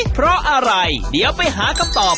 เพราะอะไรเดี๋ยวไปหาคำตอบ